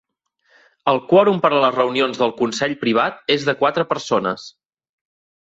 El quòrum per a les reunions del consell privat és de quatre persones.